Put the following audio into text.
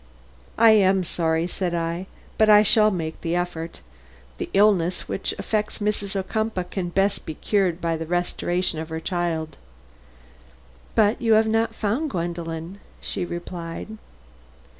"I am sorry," said I, "but I shall make the effort. The illness which affects Mrs. Ocumpaugh can be best cured by the restoration of her child." "But you have not found Gwendolen?" she replied.